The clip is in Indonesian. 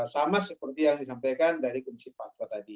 sama seperti yang disampaikan dari komisi fatwa tadi